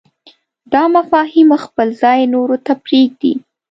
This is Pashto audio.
دا مفاهیم خپل ځای نورو ته پرېږدي.